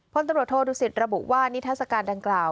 พลตรวจโทรศิษฐ์ระบุว่านิทธาศกาลดังกล่าว